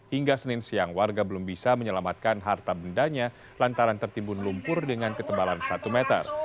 hingga senin siang warga belum bisa menyelamatkan harta bendanya lantaran tertimbun lumpur dengan ketebalan satu meter